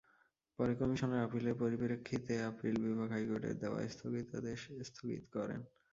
পরে কমিশনের আপিলের পরিপ্রেক্ষিতে আপিল বিভাগ হাইকোর্টের দেওয়া স্থগিতাদেশ স্থগিত করেন।